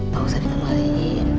nggak usah dikembalikan